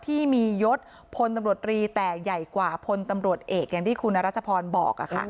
ที่มียศพลตำรวจรีแต่ใหญ่กว่าพลตำรวจเอกอย่างที่คุณรัชพรบอก